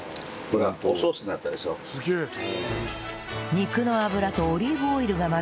肉の脂とオリーブオイルが混ざり